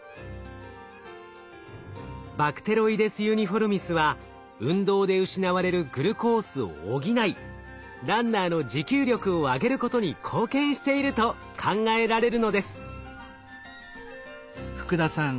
バクテロイデス・ユニフォルミスは運動で失われるグルコースを補いランナーの持久力を上げることに貢献していると考えられるのです。